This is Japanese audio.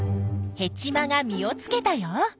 ヘチマが実をつけたよ。